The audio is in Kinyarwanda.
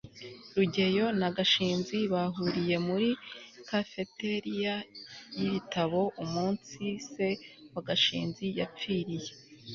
rugeyo na gashinzi bahuriye muri cafeteria y'ibitaro umunsi se wa gashinzi yapfiriye